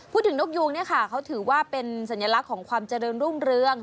นกยูงเนี่ยค่ะเขาถือว่าเป็นสัญลักษณ์ของความเจริญรุ่งเรือง